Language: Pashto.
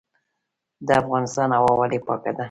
د افغانستان هوا ولې پاکه ده؟